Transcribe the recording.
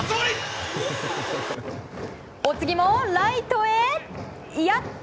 お次もライトへ。